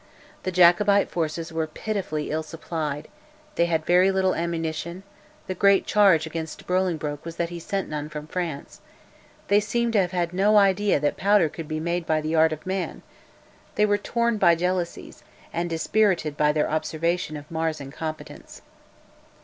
The Jacobite forces were pitifully ill supplied, they had very little ammunition (the great charge against Bolingbroke was that he sent none from France), they seem to have had no idea that powder could be made by the art of man; they were torn by jealousies, and dispirited by their observation of Mar's incompetence.